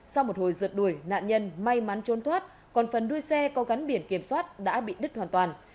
sau một hồi rượt đuổi nạn nhân may mắn trốn thoát còn phần đuôi xe có gắn biển kiểm soát đã bị đứt hoàn toàn